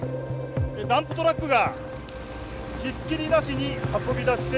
ダンプトラックがひっきりなしに運び出していきます。